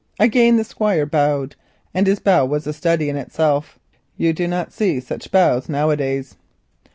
Again the Squire bowed, and his bow was a study in itself. You do not see such bows now a days.